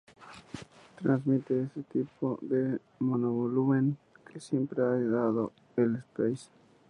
Transmite ese tipo de monovolumen que siempre ha dado el Espace.